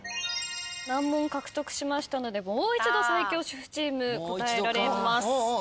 難問獲得しましたのでもう一度最強主婦チーム答えられます。